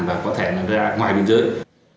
và có thể ra ngoài biên giới